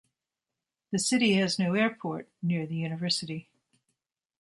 The city has no airport, near the university.